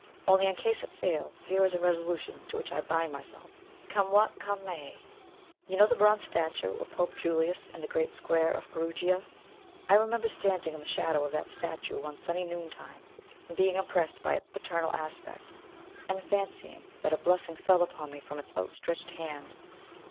Only in case it fail, here is a resolution to which I bind myself, come what come may! You know the bronze statue of Pope Julius in the great square of Perugia? I remember standing in the shadow of that statue one sunny noontime, and being impressed by its paternal aspect, and fancying that a blessing fell upon me from its outstretched hand.